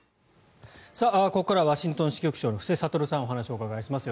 ここからはワシントン支局長の布施哲さんにお話を伺います。